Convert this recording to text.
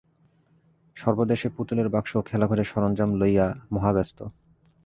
সর্বদাই সে পুতুলের বাক্স ও খেলাঘরের সরঞ্জাম লইয়া মহাব্যস্ত।